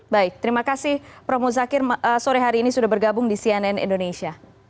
baik terima kasih prof muzakir sore hari ini sudah bergabung di cnn indonesia